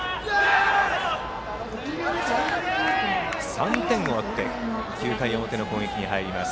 ３点を追って９回表の攻撃に入ります。